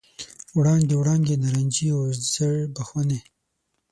وړانګې، وړانګې نارنجي او ژړ بخونې،